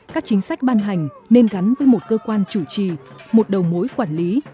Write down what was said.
các chính sách ban hành nên gắn với một cơ quan chủ trì một đầu mối quản lý